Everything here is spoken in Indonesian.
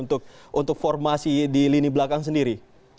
untuk formasi di lini belakang sendiri